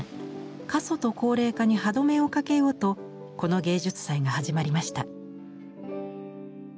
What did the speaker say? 過疎と高齢化に歯止めをかけようとこの芸術祭が始まりました。